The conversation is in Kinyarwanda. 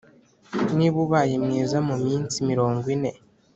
niba ubaye mwiza muminsi mirongo ine